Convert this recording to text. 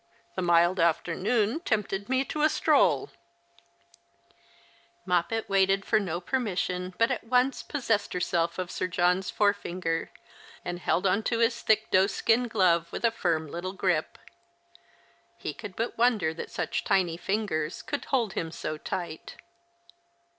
The mild afternoon tempted me to a stroll." 132 The Christmas Hirelings. Moppet waited for no permission, but at once possessed herself of Sir John's forefinger, and held on to his thick doeskin glove with a firm little grip. He could but wonder that such tiny fingers could hold him so tight.